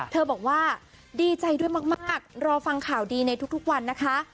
บอกว่าดีใจด้วยมากรอฟังข่าวดีในทุกวันนะคะ